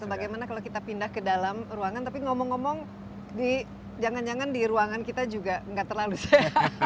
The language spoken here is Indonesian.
bagaimana kalau kita pindah ke dalam ruangan tapi ngomong ngomong jangan jangan di ruangan kita juga nggak terlalu